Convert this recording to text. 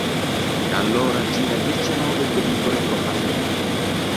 Da allora gira diciannove pellicole con Fassbinder.